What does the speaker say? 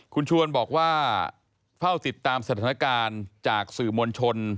คุณชวนบอกว่าเฝ้าติดตามสถานการณ์จากสื่อมวลชน